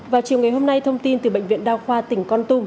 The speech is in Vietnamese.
vào chiều ngày hôm nay thông tin từ bệnh viện đao khoa tỉnh con tung